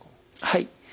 はい。